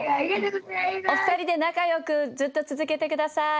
お二人で仲良くずっと続けて下さい。